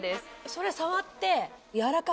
それ触って。